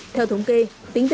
theo thống kê tính tính